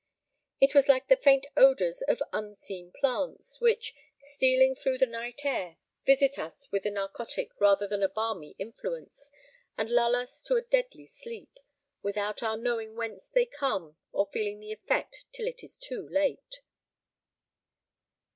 It was like the faint odours of unseen plants, which, stealing through the night air, visit us with a narcotic rather than a balmy influence, and lull us to a deadly sleep, without our knowing whence they come or feeling the effect till it is too late.